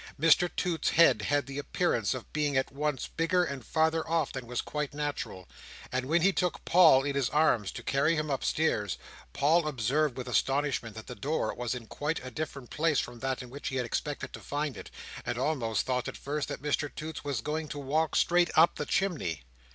Mr Toots's head had the appearance of being at once bigger and farther off than was quite natural; and when he took Paul in his arms, to carry him upstairs, Paul observed with astonishment that the door was in quite a different place from that in which he had expected to find it, and almost thought, at first, that Mr Toots was going to walk straight up the chimney.